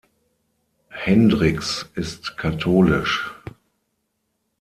Hendricks ist katholisch.